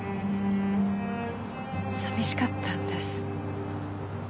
寂しかったんです。